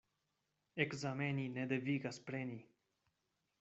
Ekzameni ne devigas preni.